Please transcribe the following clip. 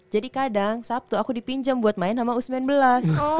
jadi kadang sabtu aku dipinjam buat main sama usman belas